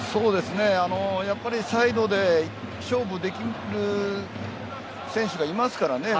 やっぱりサイドで勝負できる選手がいますからね。